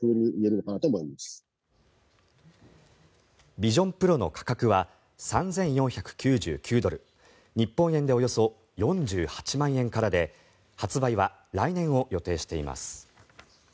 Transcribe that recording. ＶｉｓｉｏｎＰｒｏの価格は３４９９ドル日本円でおよそ４８万円からで発売は来年を予定しています。